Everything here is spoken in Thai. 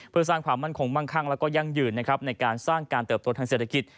ผลสร้างความมั่นคงมั่งคังแล้วก็ยังยืนในการสร้างการเติบตัวทางเศรษฐกิจ